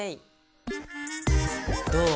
どう？